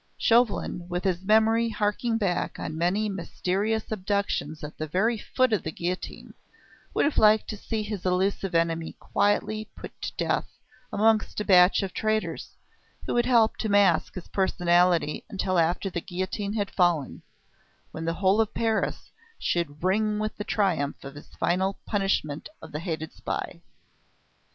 Chauvelin, with his memory harking back on many mysterious abductions at the very foot of the guillotine, would have liked to see his elusive enemy quietly put to death amongst a batch of traitors, who would help to mask his personality until after the guillotine had fallen, when the whole of Paris should ring with the triumph of this final punishment of the hated spy.